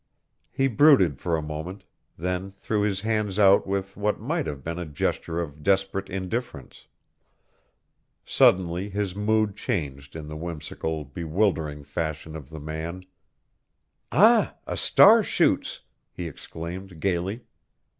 He brooded for a moment, then threw his hands out with what might have been a gesture of desperate indifference. Suddenly his mood changed in the whimsical, bewildering fashion of the man. "Ah, a star shoots!" he exclaimed, gayly.